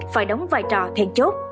phải đóng vai trò thiện chốt